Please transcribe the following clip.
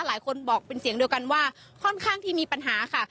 หลายคนบอกเป็นเสียงเดียวกันว่าค่อนข้างที่มีปัญหาค่ะ